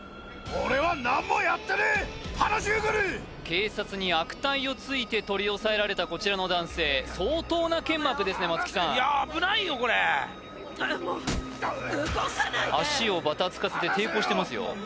警察に悪態をついて取り押さえられたこちらの男性相当な剣幕ですね松木さんいやあ危ないよこれ足をバタつかせて抵抗してますよ